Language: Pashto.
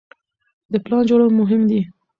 د پلان جوړول مهم دي.